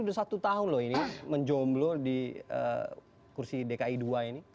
sudah satu tahun loh ini menjomblo di kursi dki dua ini